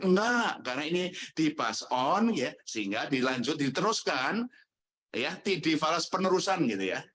enggak karena ini dipas on ya sehingga dilanjut diteruskan ya di false penerusan gitu ya